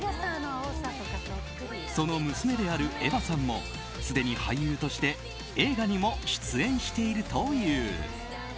その娘であるエヴァさんもすでに俳優として映画にも出演しているという。